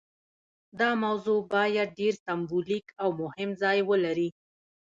دا موضوع باید ډیر سمبولیک او مهم ځای ولري.